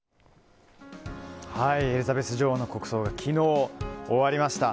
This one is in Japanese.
エリザベス女王の国葬が昨日終わりました。